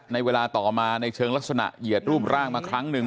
ในเวลาต่อมาในเชิงลักษณะเหยียดรูปร่างมาครั้งหนึ่ง